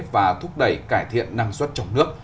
và thúc đẩy cải thiện năng suất trong nước